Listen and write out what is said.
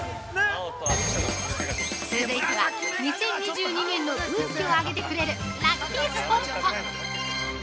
続いては、２０２２年の運気を上げてくれるラッキースポット。